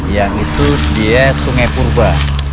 yang itu dia sungai purba